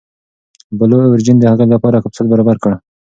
بلو اوریجن د هغې لپاره کپسول برابر کړ.